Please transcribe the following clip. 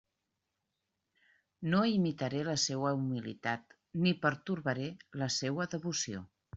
No imitaré la seua humilitat ni pertorbaré la seua devoció.